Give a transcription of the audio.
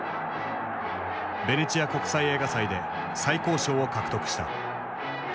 ベネチア国際映画祭で最高賞を獲得した。